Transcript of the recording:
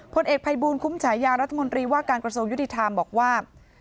เอกภัยบูลคุ้มฉายารัฐมนตรีว่าการกระทรวงยุติธรรมบอกว่า